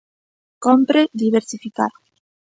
Cómpre diversificar.